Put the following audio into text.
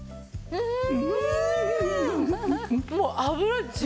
うん！